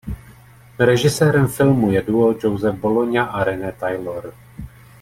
Režisérem filmu je duo Joseph Bologna a Renée Taylor.